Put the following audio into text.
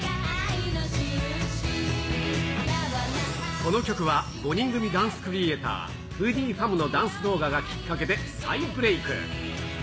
この曲は、５人組ダンスクリエイター、フーディーファムのダンス動画がきっかけで再ブレーク。